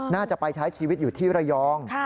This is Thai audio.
น่าจะไปใช้ชีวิตอยู่ที่ระยอง